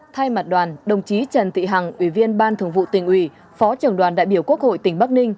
thay mặt đoàn đồng chí trần thị hằng ủy viên ban thường vụ tỉnh ủy phó trưởng đoàn đại biểu quốc hội tỉnh bắc ninh